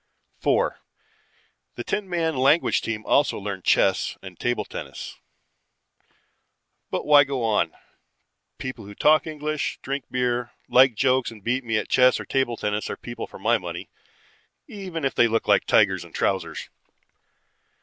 "Four, the ten man language team also learned chess and table tennis. "But why go on? People who talk English, drink beer, like jokes and beat me at chess or table tennis are people for my money, even if they look like tigers in trousers.